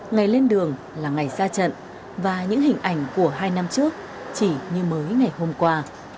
ngày lên đường là ngày ra trận và những hình ảnh của hai năm trước chỉ như mới ngày hôm qua